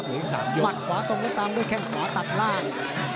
หมัดขวาตรงนี้ตามด้วยแข้งขวาตัดล่าง